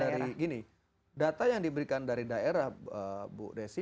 dari gini data yang diberikan dari daerah bu desi